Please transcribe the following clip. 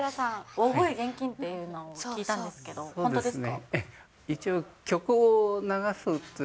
大声厳禁っていうのを聞いたんですけど、本当ですか？